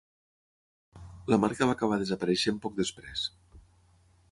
La marca va acabar desapareixent poc després.